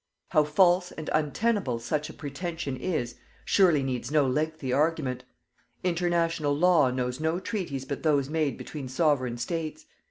How false and untenable such a pretention is, surely needs no lengthy argument. International Law knows no treaties but those made between Sovereign States.